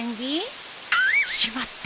しまった！